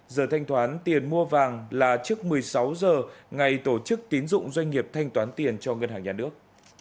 giờ thanh toán tiền mua vàng là trước một mươi sáu h ngày tổ chức tín dụng doanh nghiệp thanh toán tiền cho ngân hàng nhà nước